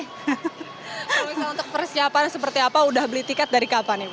kalau misalnya untuk persiapan seperti apa udah beli tiket dari kapan ibu